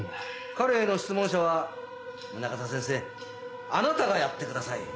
彼への質問者は宗方先生あなたがやってください。